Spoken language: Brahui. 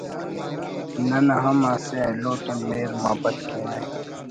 نن ہم اسہ ایلو تون مہر مابت کینہ